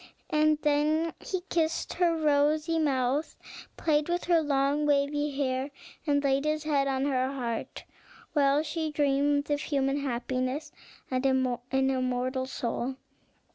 And then he kissed her rosy mouth, played with her long waving hair, and laid his head on her heart, while she dreamed of human happiness and an immortal soul.